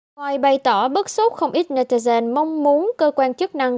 ngoài bày tỏ bức xúc không ít netogen mong muốn cơ quan chức năng